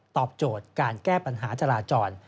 ตอบโจทย์การแก้ปัญหาจราจร